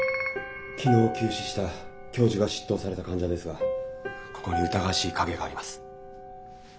昨日急死した教授が執刀された患者ですがここに疑わしい影があります。